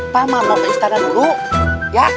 paman mau ke istana dulu ya